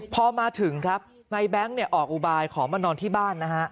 พอมาถึงครับในแบงค์ออกอุบายขอมานอนที่บ้านนะฮะ